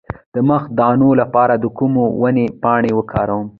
د مخ د دانو لپاره د کومې ونې پاڼې وکاروم؟